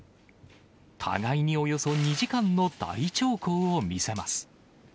互いにおよそ２時間の大長考を見せます。